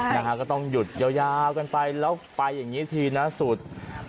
นะฮะก็ต้องหยุดยาวกันไปแล้วไปอย่างนี้ทีนะสุด